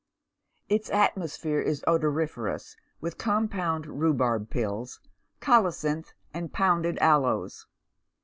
Its atmosphere is odoriferous with compound rhubarb pills, colocynth, and pounded aloes.